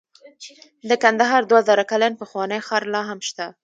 د کندهار دوه زره کلن پخوانی ښار لاهم شته